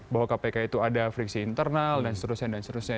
bahwa kpk itu ada friksi internal dan seterusnya